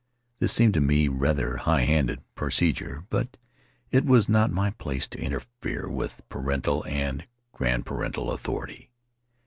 This seemed to me rather high handed procedure, but it was not my place to interfere with parental and grandparental authority.